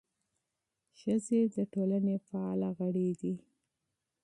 ښځې د ټولنې فعاله غړي دي.